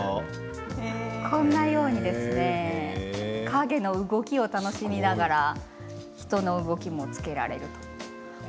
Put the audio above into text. こんなように影の動きを楽しみながら人の動きもつけられるということなんです。